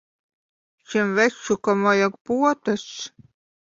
Šim večukam vajag potes.